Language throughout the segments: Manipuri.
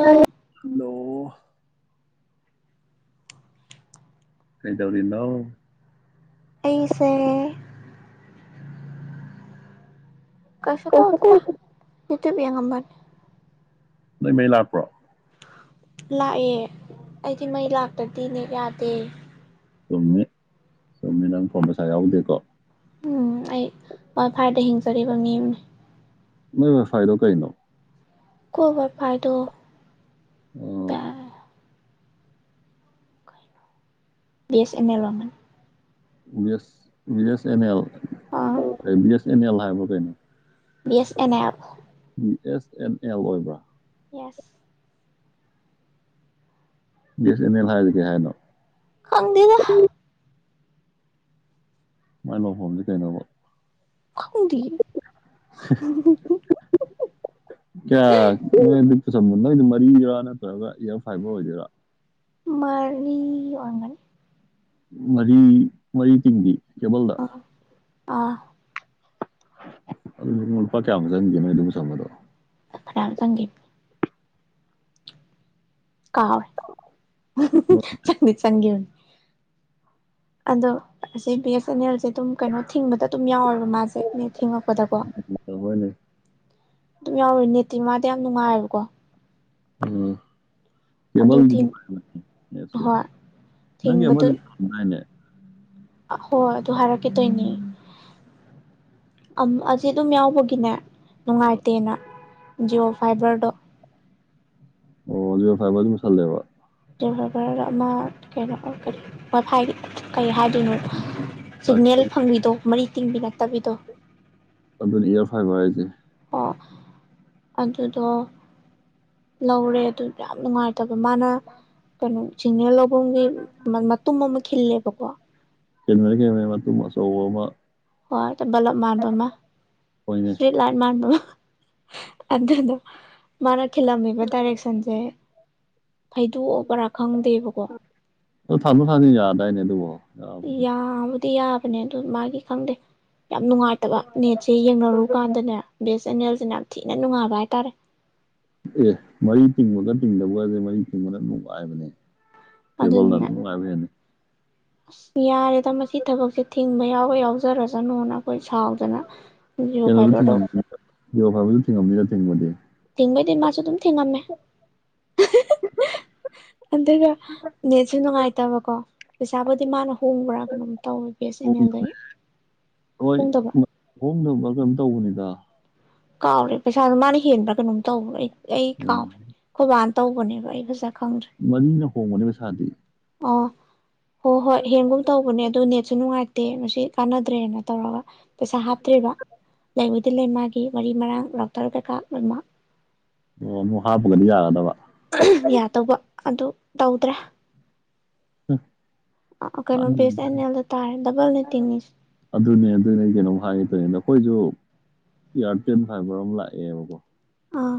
ꯇꯥꯢꯌꯦ ꯍꯂꯣ ꯑꯣ ꯀꯩꯗꯧꯔꯤꯅꯣ ꯑꯩꯁꯦ ꯀꯁꯨ ꯀꯩꯁꯨ ꯇꯧꯗꯦꯗ ꯇꯧꯗꯦ ꯏꯇ꯭ꯌꯨꯞ ꯌꯦꯡꯉꯝꯕꯅꯦ ꯅꯣꯏ ꯃꯩ ꯂꯥꯛꯄ꯭ꯔꯣ ꯂꯥꯛꯑꯦ ꯑꯩꯗꯤ ꯃꯩ ꯂꯥꯛꯇ꯭ꯔꯗꯤ ꯅꯦꯠ ꯌꯥꯗꯦ ꯆꯨꯝꯃꯣ ꯆꯨꯝꯃꯤ ꯅꯪ ꯐꯣꯝ ꯄꯩꯁꯥ ꯌꯥꯎꯗꯦꯀꯣ ꯎꯝ ꯑꯩ ꯋꯥꯢ ꯐꯥꯢꯗ ꯍꯤꯡꯖꯔꯤꯕ ꯃꯤ ꯑꯃꯅꯤ ꯅꯣꯢ ꯋꯥꯢꯐꯥꯏꯗꯣ ꯀꯩ ꯅꯣ ꯈꯣ ꯋꯥꯢꯐꯥꯢꯗꯣ ꯑꯥ ꯗ ꯕꯤ ꯑꯦꯁ ꯑꯦꯟ ꯑꯦꯜ ꯑꯣꯢꯔꯝꯒꯅꯤ S B S N L ꯑꯥ ꯕꯤ ꯑꯦꯁ ꯑꯦꯟ ꯑꯦꯜ ꯍꯥꯏꯕ ꯀꯩꯅꯣ ꯕꯤꯁ N L B S N L ꯑꯣꯏꯕ꯭ꯔꯥ ꯌꯦꯁ ꯕꯥ ꯑꯦꯁ ꯑꯟ ꯑꯜ ꯍꯥꯏꯖꯦ ꯀꯩꯅꯣ ꯈꯪꯗꯦꯗ ꯃꯥꯏ ꯂꯣꯡ ꯐꯣꯝꯖꯦ ꯀꯩꯅꯣꯕ ꯈꯪꯗꯦꯌꯦ ꯀꯌꯥ ꯅꯣꯏꯗ ꯃꯔꯤꯗꯣꯏꯔꯥ ꯅꯠꯇ꯭ꯔꯒ ꯏꯌꯥꯔ ꯐꯥꯏꯕꯔ ꯑꯣꯏꯗꯣꯏꯔꯥ ꯃꯔꯤ ꯐꯣꯢꯔꯝꯒꯅꯤ ꯃꯔꯤ ꯃꯔꯤ ꯇꯤꯡꯗꯤ ꯀꯦꯕꯜꯗ ꯑ ꯑꯗꯨ ꯄꯊꯦ ꯁꯦ ꯃ ꯑꯗꯨꯝꯁꯗꯣ ꯈꯔꯝ ꯆꯪꯒꯦ ꯀꯥꯦ ꯆꯪꯅꯤ ꯆꯥꯡ ꯍꯧ ꯑꯗꯣ ꯑꯁꯤ ꯕꯤ ꯑꯦꯁ ꯑꯦꯟ ꯑꯦꯜꯁꯦ ꯑꯗꯨꯝ ꯀꯩꯅꯣ ꯊꯤꯡꯕꯗ ꯑꯗꯨꯝ ꯌꯥꯎꯋꯦꯕ ꯃꯥꯁꯦ ꯊꯦꯡꯉꯛꯄꯗꯀꯣ ꯍꯣꯏꯅꯦ ꯑꯗꯨꯝ ꯌꯥꯎꯔꯦ ꯦꯇꯤꯃꯥꯗ ꯌꯥꯝ ꯅꯨꯡꯉꯥꯏꯕꯀꯣ ꯎꯝ ꯑꯗꯨ ꯊꯤꯡ ꯀꯦꯕꯜꯁꯦ ꯍꯣꯏ ꯅꯪꯒꯤ ꯑꯃꯏꯅꯦ ꯑ ꯍꯣꯏ ꯑꯗꯨ ꯍꯥꯏꯔꯛꯀꯦꯗꯣꯏꯅꯤ ꯑꯁꯤ ꯑꯗꯨꯝ ꯌꯥꯎꯕꯒꯤꯅꯦ ꯑ ꯅꯨꯡꯉꯥꯏꯇꯦꯅ ꯖꯤꯑꯣ ꯐꯥꯏꯕꯔꯗꯣ ꯑꯣ ꯐ ꯃꯁꯜꯂꯦ ꯒꯕꯔ ꯑꯃ ꯀꯩꯅꯣ ꯀ ꯍꯥꯏ ꯀꯩꯅꯣ ꯁꯤꯒꯅꯦꯜ ꯐꯪꯕꯤꯗꯣ ꯃꯔꯤ ꯇꯤꯡꯕꯤ ꯅꯛꯇꯕꯤꯗꯣ ꯑꯗꯨꯅ ꯏꯌꯥꯔ ꯐꯥꯏꯚ ꯍꯥꯏꯁꯦ ꯑꯗꯨꯗꯣ ꯂꯧꯔꯦ ꯑꯗꯨ ꯌꯥꯝ ꯅꯨꯡꯉꯥꯏꯇꯕ ꯃꯥꯅ ꯀꯩꯅꯣ ꯁꯤꯡꯅꯦ ꯂꯐꯝꯒꯤ ꯃꯇꯨꯝ ꯑꯃ ꯈꯤꯜꯂꯦꯕꯀꯣ ꯆꯦꯟꯅꯔꯦ ꯃꯇꯨꯡ ꯑꯆꯧꯕ ꯑꯃ ꯍꯣꯏ ꯕꯂꯣ ꯃꯔꯕ ꯃꯥ ꯑꯣꯏꯅꯩ ꯁꯔꯤꯠ ꯂꯥꯏꯠ ꯃꯥꯔꯕ ꯑꯗꯨꯗꯗ ꯃꯥꯅ ꯈꯤꯜꯂꯝꯃꯤꯕ ꯗꯥꯏꯔꯦꯛꯁꯟꯁꯦ ꯐꯩꯗꯣꯛꯑꯣꯕꯔꯥ ꯈꯪꯗꯦꯕꯀꯣ ꯊꯥꯟꯗꯣ ꯊꯥꯅꯤꯡꯅꯤ ꯑꯗꯥꯏꯅꯦꯗꯣ ꯌꯥ ꯗꯤ ꯌꯥꯕꯅꯦ ꯑꯗꯨ ꯃꯥꯒꯤ ꯈꯪꯗꯦ ꯌꯥꯝ ꯅꯨꯡꯉꯥꯏꯇꯕ ꯅꯦꯠꯁꯦ ꯌꯦꯡꯅꯔꯨ ꯀꯥꯟꯗꯅꯦ ꯕꯦꯁ ꯆꯦꯅꯦꯦꯜꯁꯤꯅ ꯌꯥꯝ ꯊꯤꯅ ꯅꯨꯡꯉꯥꯏꯕ ꯍꯥꯏꯇꯥꯔꯦ ꯑꯦ ꯃꯔꯤ ꯇꯤꯡꯕꯒ ꯇꯤꯡꯗꯕꯒꯁꯦ ꯃꯔꯤ ꯇꯤꯡꯕꯅ ꯅꯨꯡꯉꯥꯏꯕꯅꯦ ꯄꯕꯣꯗꯅꯤ ꯑꯁ ꯌꯥꯔꯦꯗ ꯃꯁꯤ ꯊꯕꯛꯁꯦ ꯊꯤꯡꯕ ꯌꯥꯎꯋ ꯌꯥꯎꯖꯔꯁꯅꯨꯅ ꯑꯩꯈꯣꯏ ꯁꯥꯎꯗꯅ ꯖꯤꯑꯣ ꯀꯩꯅꯣꯗ ꯐꯥꯏꯕꯔꯗꯣ ꯊꯤꯡꯉꯝꯅꯤꯗ ꯖꯤꯔꯣ ꯐꯥꯏꯚꯁꯨ ꯊꯤꯡꯉꯝꯅꯤꯗ ꯊꯤꯡꯕꯗꯤ ꯊꯦꯡꯕꯩꯗꯤ ꯃꯥꯁꯨ ꯑꯗꯨꯝ ꯊꯦꯡꯉꯝꯃꯦ ꯑꯗꯨꯒ ꯅꯦꯠꯁꯨ ꯅꯨꯡꯉꯥꯏꯇꯕꯀꯣ ꯄꯩꯁꯥꯕꯨꯗꯤ ꯃꯥꯅꯣ ꯍꯣꯡꯕ꯭ꯔꯥ ꯀꯩꯅꯣꯝ ꯇꯧꯋꯦ ꯕꯤ ꯑꯦꯁ ꯑꯦꯟ ꯑꯦꯜꯗꯒꯤ ꯍꯣꯡꯗꯕ꯭ꯔꯥ ꯈ ꯦꯜ ꯀꯝ ꯇꯧꯕꯅꯤꯗ ꯀꯥꯎꯔꯦ ꯄꯩꯁꯥꯗꯣ ꯃꯥꯅ ꯍꯦꯟꯕ꯭ꯔꯥ ꯀꯩꯅꯣꯝ ꯇꯧꯕ꯭ꯔ ꯑꯩ ꯑꯩ ꯀꯥꯎ ꯎꯝ ꯈꯨꯕ ꯋꯥꯥꯟ ꯇꯧꯕꯅꯦꯕ ꯑꯩꯒꯖꯠ ꯃꯅꯤꯅ ꯍꯣꯡꯕꯅꯦ ꯃꯩꯁꯥꯗꯤ ꯍꯣ ꯍꯣꯏ ꯍꯦꯟꯒꯨꯝ ꯇꯧꯕꯅꯦ ꯑꯗꯨꯣ ꯅꯦꯠꯁꯨ ꯉꯥꯏꯇꯦ ꯠꯇꯦ ꯃꯁꯤ ꯀꯥꯟꯅꯗ꯭ꯔꯦꯅ ꯇꯧꯔꯒ ꯄꯩꯁꯥ ꯍꯥꯞꯇ꯭ꯦꯔꯤꯕ ꯂꯩꯕꯨꯗꯤ ꯂꯩ ꯃꯥꯒꯤ ꯋꯥꯔꯤ ꯃꯔꯥꯡ ꯂꯥꯛꯇꯔ ꯀꯀꯥ ꯃꯃꯥ ꯑꯣ ꯅ ꯍꯥꯞꯄꯒꯗꯤ ꯌꯥꯒꯗꯕ ꯌꯥꯗꯧꯕ ꯑꯗꯨ ꯇꯧꯗ꯭ꯔꯦ ꯀꯩꯅꯣ ꯎꯝ ꯕꯦꯁ ꯑꯦꯟ ꯑꯦꯜꯗ ꯇꯥꯔꯦ ꯗꯕꯜ ꯅꯦꯠꯇꯤꯡꯅꯤꯁꯦ ꯑꯗꯨꯅꯦ ꯑꯗꯨꯅꯦ ꯀꯩꯅꯣꯝ ꯍꯥꯏꯉꯦ ꯇꯧꯅ ꯑꯩꯈꯣꯏꯁꯨ ꯏꯌꯥꯔꯇꯦꯟ ꯐꯥꯏꯕꯔ ꯑꯃ ꯂꯥꯛꯑꯦꯕꯀꯣ ꯑꯥ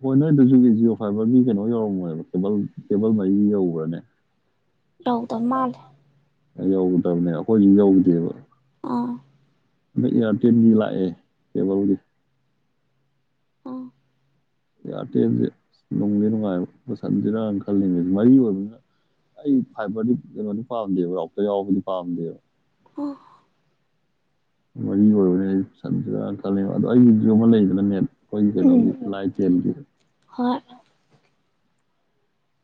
ꯍꯣꯏ ꯅꯣꯏ ꯑꯗꯨꯁꯨꯒꯤ ꯖꯤꯌꯑꯣ ꯐꯥꯏꯚꯔꯒꯤ ꯀꯩꯅꯣ ꯌꯧꯔꯝꯃꯣꯏꯕ ꯀꯦꯕꯜ ꯀꯦꯕꯜ ꯃꯔꯤ ꯌꯧꯕ꯭ꯔꯅꯦ ꯑꯧꯗ ꯃꯥꯂ ꯌꯧꯒꯗꯕꯅꯦ ꯑꯩꯈꯣꯏꯁꯨ ꯌꯧꯈꯤꯗꯦꯕ ꯑꯥ ꯑꯗ ꯏꯌꯥꯔꯇꯦꯜꯒꯤ ꯂꯥꯛꯑꯦ ꯀꯦꯕꯜꯒꯤ ꯑꯥ ꯏꯌꯥꯔꯇꯦꯜꯁꯦ ꯅꯨꯡꯗꯤꯦ ꯅꯨꯡꯉꯥꯏꯕ ꯃꯁꯟꯁꯤꯔꯅ ꯈꯜꯂꯤꯉꯦ ꯃꯔꯤ ꯑꯣꯏꯕꯅꯤꯅ ꯑꯩ ꯐꯥꯏꯕꯔꯗꯤ ꯀꯩꯅꯣꯗꯤ ꯄꯥꯝꯗꯦꯕ ꯔꯥꯎꯇ ꯌꯥꯎꯔꯕꯗꯤ ꯄꯥꯝꯗꯦꯕ ꯑꯣꯐ ꯃꯔꯤꯒꯤ ꯑꯣꯏꯕꯅꯦ ꯑꯩꯟꯅ ꯈꯜꯂꯤꯕ ꯑꯗꯣ ꯑꯩꯒꯤ ꯑꯃ ꯂꯩꯗꯅ ꯅꯦꯠ ꯑꯩꯣꯏꯖꯅ ꯎꯝ ꯂ ꯀꯦꯜꯒ ꯍꯣꯏ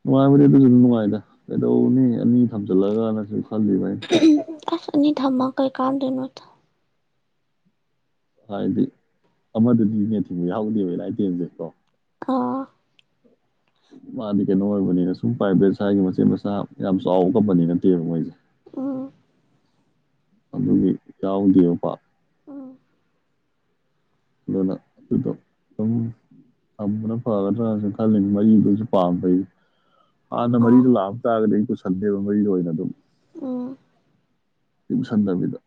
ꯅꯨꯡꯉꯥꯏꯕꯗꯤ ꯑꯗꯨꯁꯨ ꯑꯗꯨ ꯅꯨꯡꯉꯥꯏꯗ ꯀꯩꯗꯧꯅꯤ ꯑꯅꯤ ꯊꯝꯖꯤꯜꯂꯒꯅ ꯑꯁꯅꯤ ꯊꯝꯃ ꯀꯩ ꯀꯥꯟꯗꯅꯣꯠꯇ ꯍꯥꯏꯗꯤ ꯑꯃꯗꯗꯤꯗꯤꯅꯦ ꯊꯤꯡꯕ ꯌꯥꯎꯗꯦꯕ ꯏꯂꯥꯏꯇꯦꯟꯁꯦ ꯀꯣ ꯑꯥ ꯃꯥꯗꯤ ꯀꯩꯅꯣ ꯑꯣꯏꯕꯅꯤꯅ ꯁꯨꯝ ꯄ꯭ꯔꯥꯏꯚꯦꯠ ꯁ꯭ꯋꯥꯏꯒꯤ ꯃꯆꯦꯠ ꯃꯆꯥ ꯌꯥꯝ ꯆꯥꯎꯕ ꯀꯝꯄꯅꯤ ꯅꯠꯇꯦꯕ ꯃꯣꯏꯁꯦ ꯑꯣ ꯑꯗꯨꯗꯤ ꯌꯥꯎꯗꯦꯕꯄꯥ ꯎꯝ ꯑꯗꯨꯅ ꯑꯗꯨꯗꯣ ꯑꯗꯨꯝ ꯊꯝꯕꯅ ꯐꯒꯗ꯭ꯔꯥꯁꯨ ꯈꯜꯂꯤ ꯃꯔꯤꯗꯨꯁꯨ ꯄꯥꯝꯕꯩ ꯍꯥꯟꯅ ꯑꯥ ꯃꯔꯤꯗ ꯂꯥꯞ ꯇ ꯑꯒ ꯂꯩ ꯁꯟꯗꯦꯕ ꯃꯔꯤꯗ ꯑꯣꯏꯅ ꯑꯗꯨꯝ ꯑꯣ ꯁꯟꯗꯔꯕꯤꯗ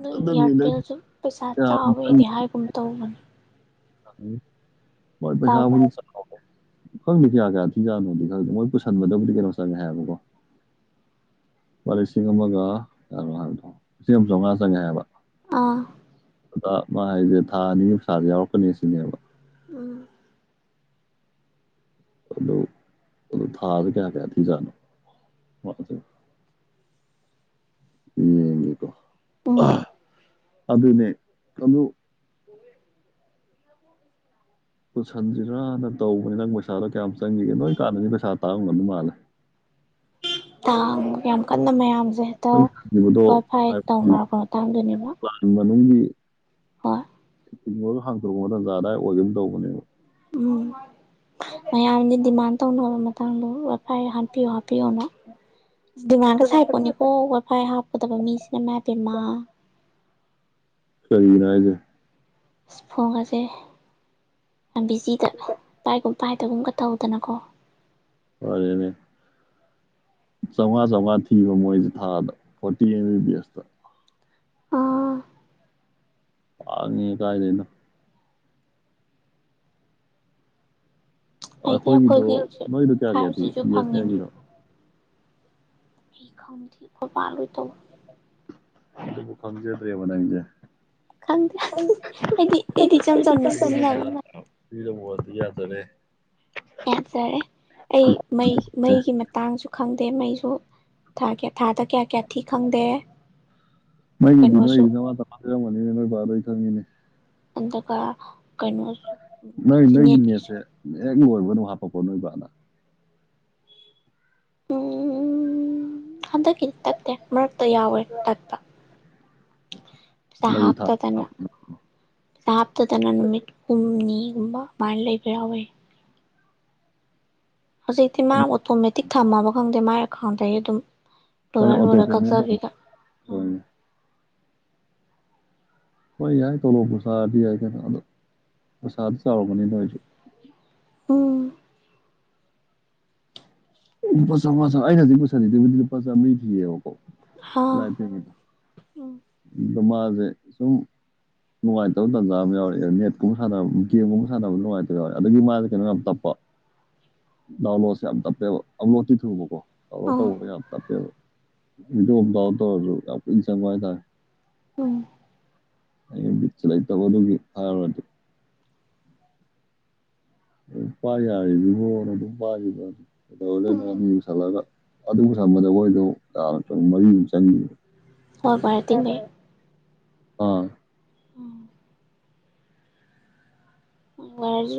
ꯅꯣꯏ ꯅꯪ ꯏꯌꯥꯔꯇꯦꯜꯁꯨ ꯄꯩꯁꯥ ꯀꯌꯥꯝ ꯆꯥꯎꯥꯋꯦꯗꯤ ꯍꯥꯏꯒꯨꯝ ꯇꯧꯕꯅꯤ ꯎꯝ ꯣꯏ ꯄꯩꯁꯥꯕ ꯆꯥꯎꯕ꯭ꯔꯥ ꯈꯪꯗꯦ ꯀꯌꯥ ꯀꯌꯥ ꯊꯤꯖꯥꯠꯅꯣꯗꯤ ꯈꯪꯗꯦ ꯃꯣꯏ ꯄꯨꯁꯟꯕꯗꯕꯨꯗꯤ ꯀꯩꯅꯣ ꯆꯪꯉꯦ ꯍꯥꯏꯕꯀꯣ ꯂꯨꯄꯥ ꯂꯤꯁꯤꯡ ꯑꯃꯒ ꯀꯌꯥꯅꯣ ꯍꯥꯏꯕꯗꯣ ꯂꯤꯁꯤꯡ ꯑꯃ ꯆꯧꯉꯥ ꯆꯪꯉꯦ ꯍꯥꯏꯕ ꯑꯥ ꯑꯗ ꯃꯥ ꯍꯥꯏꯁꯦ ꯊꯥ ꯑꯅꯤ ꯄꯩꯁꯥꯥꯗꯤ ꯌꯥꯎꯔꯛ ꯁꯤꯅꯦꯕ ꯎꯝ ꯑꯗꯨ ꯑꯗꯨ ꯊꯥꯗ ꯀꯌꯥ ꯀꯌꯥ ꯊꯤꯖꯥꯠꯅꯣ [unintelligible] ꯑ ꯎꯝ ꯑꯗꯨꯅꯦ ꯑꯗꯨ ꯄꯨꯁꯟ [unintelligible] ꯇꯧꯕꯅꯤ ꯅꯪ ꯄꯩꯁꯥꯗꯣ ꯀꯌꯥꯝ ꯆꯪꯈꯤꯒꯦ ꯅꯣꯏ ꯀꯥꯟꯗꯗꯤ ꯄꯩꯁꯥ ꯇꯥꯡꯉꯝꯒꯗꯧ ꯃꯥꯜꯂꯦ ꯇꯥꯡ ꯌꯥꯝ ꯀꯟꯅ ꯃꯌꯥꯝ ꯁꯦ ꯍꯦꯛꯇ ꯅꯪ ꯈꯟꯈꯤꯕꯗꯣ ꯋꯥꯏꯐꯥꯏ ꯇꯧꯅꯔꯛꯄ ꯃꯇꯥꯡꯗꯨꯅꯦꯕ ꯅꯣꯏꯒꯤ ꯍꯣꯏ ꯊꯤꯡꯉꯨꯔ ꯍꯥꯡꯇꯣꯔꯛꯄ ꯇꯟꯖꯥ ꯑꯗꯥꯏ ꯑꯣꯏꯒꯤꯒꯨꯝ ꯇꯧꯕꯅꯦꯕ ꯎꯝ ꯃꯌꯥꯝꯗꯤ ꯗꯤꯃꯥꯟ ꯇꯧꯅꯕ ꯃꯇꯥꯡꯗꯣ ꯋꯥꯏꯐꯥꯏ ꯌꯥꯍꯟ ꯍꯥꯞꯄꯤꯌꯣ ꯍꯥꯞꯄꯤꯌꯣꯅ ꯗꯤꯃꯥꯟꯒ ꯁꯥꯏꯄꯣꯠꯅꯤꯀꯣ ꯋꯥꯏ ꯐꯥꯏ ꯍꯥꯞꯀꯗꯕ ꯃꯤꯁꯤꯅ ꯏꯃꯥꯏꯄꯦꯝꯃ ꯀꯩꯒꯤꯅꯣ ꯍꯥꯏꯖꯦ ꯑꯁ ꯐꯣꯟ ꯑꯁꯦ ꯌꯥꯝ ꯕꯤꯖꯤꯗ ꯄꯥꯏꯒꯨꯝ ꯄꯥꯏꯗꯒꯨꯝꯒ ꯇꯧꯗꯅꯀꯣ ꯂꯣꯏꯔꯦꯅꯦ ꯆꯧꯉꯥ ꯆꯧꯉꯥ ꯊꯤꯕ ꯃꯣꯏꯁꯦ ꯊꯥꯗ ꯐꯣꯔꯇꯤ ꯑꯦꯝ ꯗꯦꯁꯇ ꯑꯥ ꯇꯥꯡꯉꯤ ꯀꯥꯏꯗꯩꯅ ꯑꯩꯗꯤ ꯑꯩꯈꯣꯏꯒꯤꯗꯣ ꯑꯩꯈꯣꯏꯒꯤ ꯅꯣꯏꯒꯤꯗꯣ ꯀꯌꯥ ꯀꯌꯥ ꯐꯥꯏꯚ ꯊꯤ ꯖꯤꯁꯨ ꯕꯤ ꯑꯦꯁ ꯑꯦꯟ ꯑꯦꯜ ꯐꯪꯉꯤꯅꯦ ꯒꯤꯗꯣ ꯑꯩ ꯈꯪꯗꯦ ꯈꯣꯏ ꯄꯥꯅ ꯂꯣꯏ ꯇꯧ ꯑꯗꯨꯒꯤ ꯈꯪꯖꯗ꯭ꯔꯦꯕ ꯅꯪꯁꯦ ꯈꯪꯗꯦ ꯑꯩꯗꯤ ꯑꯩꯗꯤ ꯏꯆꯝ ꯆꯝꯅ ꯁꯤꯖꯤꯟꯅꯕ [unintelligible] ꯌꯥꯖꯔꯦ ꯌꯥꯖꯔꯦ ꯑꯩ ꯃꯩ ꯑꯦ ꯃꯩꯒꯤ ꯃꯇꯥꯡꯁꯨ ꯈꯪꯗꯦ ꯃꯩꯁꯨ ꯑꯗꯨ ꯊꯥ ꯀꯌꯥ ꯊꯥꯗ ꯀꯌꯥ ꯀꯌꯥ ꯊꯤ ꯈꯪꯗꯦ ꯃꯩꯒꯤꯗꯤ ꯀꯩꯅꯣꯁꯨ ꯅꯣꯏꯗꯤ ꯙꯃꯥ ꯙꯃꯥ ꯊꯤꯔꯝꯒꯅꯤꯗ ꯅꯣꯏ ꯕꯥꯗꯩ ꯈꯪꯉꯤꯅꯦ [unintelligible] ꯀꯥꯅꯣꯁꯨ ꯅꯣꯏ ꯅꯣꯏꯒꯤ ꯆꯤꯅꯦꯠ ꯀꯤꯁꯨ ꯅꯦꯠꯁꯦ ꯍꯦꯛ ꯂꯣꯏꯕ ꯑꯗꯨꯝ ꯍꯥꯞꯄꯛꯄ꯭ꯔꯣ ꯅꯣꯏ ꯕꯥꯅ ꯎꯝ ꯍꯟꯗꯛ ꯇꯠꯇꯦ ꯃꯔꯛꯇ ꯌꯥꯎꯋꯦ ꯇꯠꯄ ꯄꯩꯁꯥ ꯍꯟꯗꯛꯀꯤ ꯊꯥ ꯍꯥꯞꯇꯗꯅ ꯄꯩꯁꯥ ꯍꯥꯞꯇꯗꯅ ꯅꯨꯃꯤꯠ ꯍꯨꯝꯅꯤ ꯑꯗꯨꯝꯕ ꯃꯥꯥꯟ ꯂꯩꯕ ꯌꯥꯎ ꯋꯦ ꯍꯧꯖꯤꯛꯇꯤ ꯃꯥ ꯑꯣꯇꯣꯃꯦꯇꯤꯛ ꯊꯝꯃꯕ ꯈꯪꯗꯦ ꯃꯥ ꯈꯥꯗꯌꯦ ꯑꯗꯨꯝ ꯍꯣꯏ ꯂꯣꯏꯔ ꯑꯣꯇꯣ ꯂꯣꯏꯔ ꯄꯦꯃ ꯇ ꯀꯛꯆꯕꯤꯒ ꯍꯣꯏ ꯌꯥꯏ ꯇꯣꯂꯣꯑꯣ ꯕꯁꯥꯔꯗꯤ ꯌꯥꯏ ꯀꯩꯅꯣ ꯑꯗꯣ ꯕꯁꯥꯔꯗꯤ ꯆꯥꯎꯔꯔꯕꯅꯤꯅ ꯑꯩꯁꯨ ꯎꯝ ꯎ ꯄꯁ ꯄ ꯑꯩꯅꯗꯤ ꯄꯁꯥ ꯄ ꯃꯤꯃꯤ ꯊ ꯀꯣ ꯍꯥ ꯂꯗ ꯎ ꯎꯝ ꯑꯗꯣ ꯃꯥꯁꯦ ꯁꯨꯝ ꯅꯨꯡꯉꯥꯏꯇꯕ ꯇꯥꯟꯖꯥ ꯑꯃ ꯌꯥꯎꯔꯑꯦ ꯅꯦꯠꯀꯨꯝꯕ ꯁꯥꯟꯅꯕ ꯒꯦꯝꯒꯨꯝꯕ ꯁꯥꯟꯅꯕꯗ ꯅꯨꯡꯉꯥꯏꯇꯕ ꯌꯥꯎꯔꯦ ꯑ ꯑꯗꯨꯗꯒꯤ ꯃꯥꯁꯦ ꯀꯩꯅꯣ ꯌꯥꯝ ꯇꯞꯄ ꯅꯅꯣ ꯑ ꯇꯦ ꯑꯤ ꯑꯥ ꯊꯤꯣ ꯑ ꯄꯨꯁꯪ ꯍꯣꯏꯗ ꯎꯝ ꯆ ꯂꯩ ꯇꯈ ꯇ ꯐꯔ ꯄꯥꯏ ꯌꯥꯔꯤꯕꯗꯨꯕꯣꯅ ꯑꯗꯨꯝ ꯄꯥꯏꯔꯤꯕ ꯀꯩꯗꯧ ꯎꯝ ꯅꯅꯤ ꯄꯨꯁꯜꯂꯒ ꯑꯗꯨꯕꯨꯁꯟꯕꯗꯈꯣꯏꯗꯣ ꯃꯔꯤꯃꯨꯛ ꯆꯪꯈꯤꯕ ꯍꯣꯏ ꯃꯇꯕ ꯑꯥ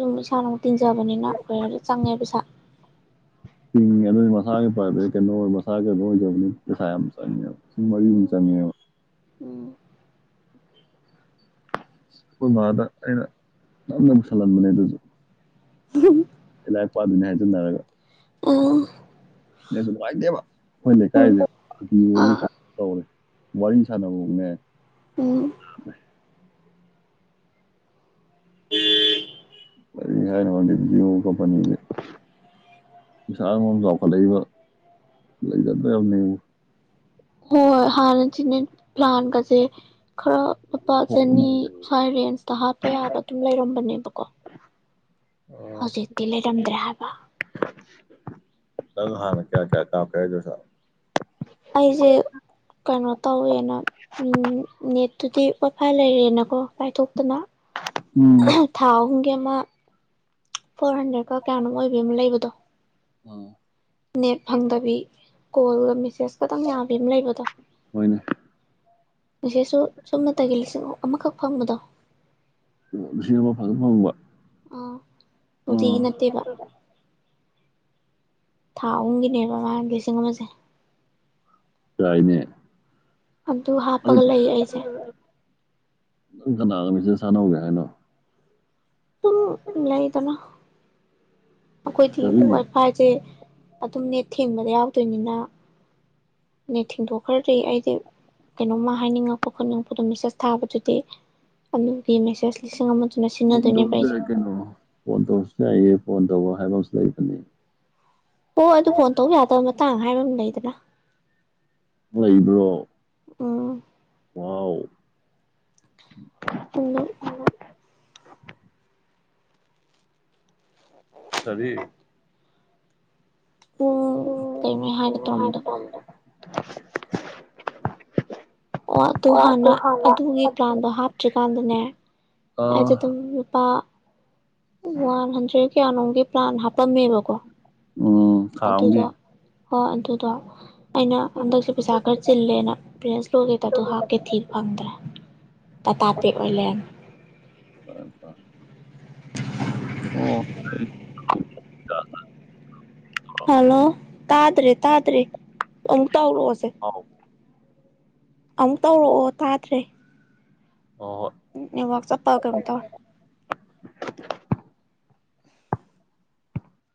ꯨꯝ ꯁꯥꯟ ꯇꯤꯟꯖꯕꯅꯤꯅ ꯀꯈꯋꯔ ꯆꯪꯉꯦ ꯄꯩꯁꯥ ꯆꯤꯡꯉꯦ ꯑꯗꯨ ꯃꯁꯥꯒꯤ ꯀꯩꯅꯣ ꯃꯁꯥ ꯀꯩꯅꯣ ꯑꯣꯏꯗꯕꯅꯤ ꯄꯩꯁꯥ ꯑꯃ ꯆꯪꯉꯦꯕ ꯁꯤ ꯃꯔꯤ ꯑꯃ ꯎꯝ ꯆꯪꯉꯦꯕ ꯎꯝ ꯑꯩꯈꯣꯏꯚꯗ ꯑꯩꯅ ꯅꯝꯅ ꯃꯨꯁꯜꯍꯟꯕꯅꯦ ꯑꯗꯨꯁꯨ ꯏꯂ ꯄꯗꯅ ꯍꯥꯏ ꯆꯟꯅꯔꯒ ꯎꯝ ꯅꯁꯨꯉꯥꯏꯇꯦꯕ ꯑꯩꯈꯣꯏ ꯂꯩꯀꯥꯏꯁꯦ ꯑꯥ ꯇꯧꯔꯦ ꯋꯥꯔꯤ ꯁꯥꯟꯅꯕꯅꯦ ꯎꯝ ꯀꯔꯤ ꯍꯥꯏꯅꯗꯤ ꯚꯑꯣ ꯀꯝꯄꯅꯤꯁꯦ ꯄꯩꯁꯥ ꯑꯃ ꯆꯥꯎꯈꯠꯂꯛꯏꯕ ꯂꯩꯒꯗ꯭ꯔꯕꯅꯦꯕꯨ ꯍꯣꯏ ꯍꯣꯏ ꯍꯥꯟꯅ ꯁꯤꯤꯅꯦ ꯄ꯭ꯂꯥꯟꯒꯁꯦ ꯈꯔ ꯂꯨꯄꯥ ꯆꯅꯤ ꯁ꯭ꯋꯥꯏ ꯔꯦꯟꯖꯇ ꯍꯥꯠꯄ ꯌꯥꯕ ꯑꯗꯨꯝ ꯂꯩꯔꯝ ꯐꯅꯦꯕꯀꯣ ꯍꯧꯖꯤꯛ ꯇꯤ ꯂꯩꯔꯝꯗ꯭ꯔꯦ ꯍꯥꯏꯕ ꯅ ꯍꯥꯟꯅ ꯀꯌꯥ ꯀꯌꯥ ꯀꯥ ꯀꯩꯗ ꯁꯥ ꯑꯩꯁꯦ ꯀꯩꯅꯣ ꯇꯧꯋꯦꯅ ꯅꯦꯠꯇꯨꯗꯤ ꯋꯥꯏꯐꯥꯏ ꯂꯩꯔꯦꯅꯀꯣ ꯄꯥꯏꯊꯣꯛ ꯏꯅ ꯎꯝ ꯊꯥ ꯦꯝ ꯐꯣꯔ ꯍꯟꯗ꯭ꯔꯦꯠ ꯀ ꯀꯌꯥꯅꯣ ꯑꯣꯏꯕꯤꯕ ꯑꯃ ꯂꯩꯕꯗꯣ ꯑꯣ ꯅꯦ ꯐꯪꯗꯕꯤ ꯀꯣꯜ ꯁ ꯈꯇꯪ ꯌꯥꯕꯤ ꯑꯃ ꯂꯩꯕꯗꯣ ꯍꯣꯏꯅꯦ ꯉꯦꯁꯨ ꯁꯨꯞꯅꯇꯒꯤ ꯂꯤꯁꯤꯡ ꯑꯃꯈꯛ ꯐꯪꯕꯗꯣ ꯐ ꯐꯪꯉꯕ ꯑꯥ ꯑꯣ ꯅꯨꯡꯇꯤꯒꯤ ꯅꯠꯇꯦꯕ ꯊꯥ ꯑꯍꯨꯝꯒꯤꯅꯦ ꯃꯃꯥꯡꯒꯤ ꯂꯤꯁꯤꯡ ꯑꯃꯁꯦ ꯀꯥꯏꯅꯦ ꯑꯗꯨ ꯍꯥꯞꯄꯒ ꯂꯩ ꯑꯩꯁꯦ ꯅꯪ ꯀꯅꯥꯒ ꯃꯤꯁꯤꯗ ꯁꯥꯟꯅꯧꯒꯦ ꯍꯥꯏꯅꯣ ꯑꯗꯨꯝ ꯂꯩꯗꯅ ꯑꯩꯈꯣꯏꯗꯤ ꯀꯔꯤ? ꯋꯥꯏꯐꯥꯏꯁꯦ ꯑꯗꯨꯝ ꯅꯦꯠ ꯊꯦꯡꯕꯗ ꯌꯥꯎꯗꯣꯏꯅꯤꯅ ꯅꯦꯠ ꯊꯦꯡꯗꯣꯛꯈ꯭ꯔꯗꯤ ꯑꯩꯗꯤ ꯀꯩꯅꯣꯝꯃ ꯍꯥꯏꯅꯤꯡꯉꯛꯄ ꯈꯣꯠꯅꯤꯡꯉꯛꯄꯗꯣ ꯃꯦꯁꯦꯁ ꯊꯥꯕꯗꯨꯗꯤ ꯑꯗꯨꯒꯤ ꯃꯦꯁꯦꯖ ꯂꯤꯁꯤꯡ ꯑꯃ ꯍ ꯇꯁꯨ ꯍꯥꯏ ꯀꯣ ꯐ ꯇꯁ ꯍꯥꯏꯌꯦꯦ ꯐꯣꯟ ꯇꯧꯕ ꯍꯥꯏꯕ ꯑꯃꯁꯨ ꯂꯩꯕꯅꯤ ꯑꯣꯣꯏ ꯑꯗꯨ ꯐꯣꯟ ꯇꯧꯕ ꯌꯥꯗꯕ ꯃꯇꯥꯡ ꯍꯥꯏꯕ ꯑꯃ ꯂꯩꯗꯅ ꯂꯩꯕ꯭ꯔꯣ ꯎꯝ ꯋꯥꯎ ꯄꯨ ꯑ ꯑꯗꯤ ꯎꯝ ꯀꯩꯃ ꯍꯥꯏꯒ ꯇꯔꯝꯗꯕ [unintelligible] ꯑꯣ ꯑꯗꯨ ꯍꯥꯟꯅ ꯑꯗꯨꯒꯤ ꯄ꯭ꯂꯥꯟꯗꯣ ꯍꯥꯞꯇ꯭ꯔꯤꯀꯥꯟꯗꯅꯦ ꯑꯥ ꯑꯗꯗꯨꯝ ꯂꯨꯄꯥ ꯋꯥꯟ ꯍꯟꯗ꯭ꯔꯦꯠ ꯀꯌꯥꯅꯣꯝꯒꯤ ꯄ꯭ꯂꯥꯟ ꯍꯥꯞ ꯄꯝꯃꯦꯕꯀꯣ ꯎꯝ ꯊꯥꯎꯝꯒꯤ ꯑꯣ ꯑꯗꯨꯗꯣ ꯑꯩꯅ ꯍꯟꯗꯛꯁꯦ ꯄꯩꯁꯥ ꯈꯔ ꯆꯤꯜꯂꯦꯅ ꯄ꯭ꯔꯦꯁ ꯂꯣꯀꯦꯠꯇꯗꯣ ꯍꯥꯞꯀꯦ ꯊꯤꯕ ꯐꯪꯗ꯭ꯔꯦ꯫ ꯇꯥꯇꯥꯇꯦꯛ ꯑꯣꯏꯂꯦꯟ ꯐꯔꯦ ꯐꯔ ꯑꯣ ꯍꯜꯂꯣ ꯇꯥꯗ꯭ꯔꯤ ꯇꯥꯗ꯭ꯔꯤ ꯇꯧꯔꯛꯑꯣꯁꯦ ꯑꯃꯨꯛ ꯇꯧꯔꯛꯑꯣ ꯇꯥꯗ꯭ꯔꯦ ꯍꯣꯏ ꯅ ꯋꯥ ꯆꯄ ꯀ꯭ꯔꯝ ꯇ